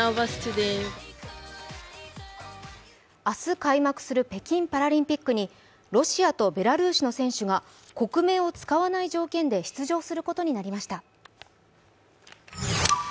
明日開幕する北京パラリンピックにロシアとベラルーシの選手が国名を使わない条件で出場することになりました。